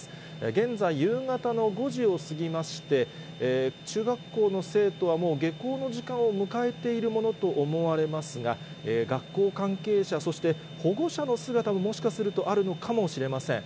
現在夕方の５時を過ぎまして、中学校の生徒はもう、下校の時間を迎えているものと思われますが、学校関係者、そして保護者の姿ももしかするとあるのかもしれません。